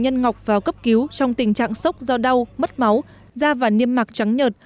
nhân ngọc vào cấp cứu trong tình trạng sốc do đau mất máu da và niêm mạc trắng nhớt